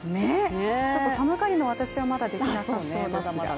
ちょっと寒がりの私はまだできなさそうですが。